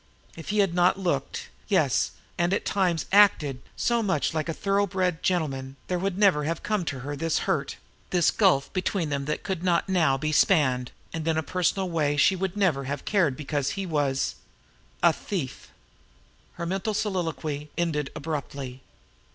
If he had not looked, yes, and at times, acted, so much like a thorough bred gentleman, there would never have come to her this hurt, this gulf between them that could not now be spanned, and in a personal way she would never have cared because he was a thief. Her mental soliloquy ended abruptly.